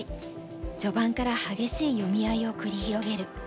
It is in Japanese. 序盤から激しい読み合いを繰り広げる。